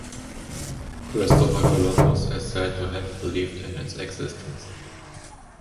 Christopher Columbus is said to have believed in its existence.